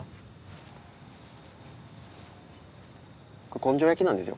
根性焼きなんですよ。